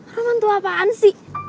roman tuh apaan sih